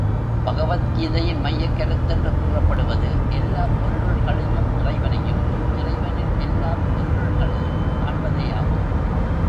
பகவத் கீதையின் மையக் கருத்தென்று கூறப்படுவது எல்லாப் பொருள்களிலும் இறைவனையும் இறைவனில் எல்லாப் பொருள்களையும் காண்பதேயாகும்.